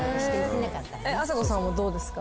あさこさんどうですか？